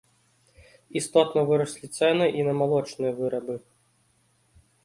Істотна выраслі цэны і на малочныя вырабы.